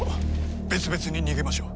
別々に逃げましょう。